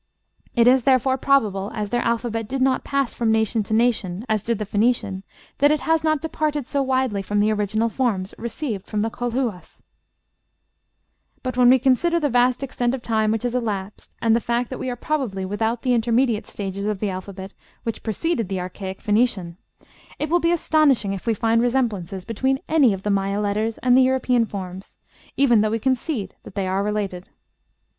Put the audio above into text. It is therefore probable, as their alphabet did not pass from nation to nation, as did the Phoenician, that it has not departed so widely from the original forms received from the Colhuas. ### The Alphabet But when we consider the vast extent of time which has elapsed, and the fact that we are probably without the intermediate stages of the alphabet which preceded the archaic Phoenician, it will be astonishing if we find resemblances between any of the Maya letters and the European forms, even though we concede that they are related.